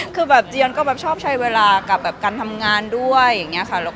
คือจี๊ยนก็ชอบใช้เวลากับการทำงานด้วย